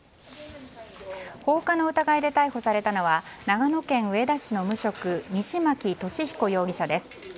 放火の疑いで逮捕されたのは長野県上田市の無職西牧敏彦容疑者です。